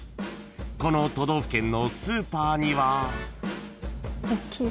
［この都道府県のスーパーには］